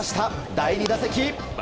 第２打席。